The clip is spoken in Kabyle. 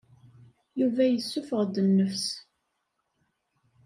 Yuba yessuffeɣ-d nnefs.